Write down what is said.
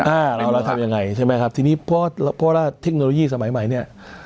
แล้วทำยังไงทีนี้เพราะว่าเทคโนโลยีสมัยใหม่